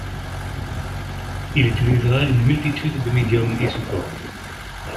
Il utilisera une multitude de médiums et supports.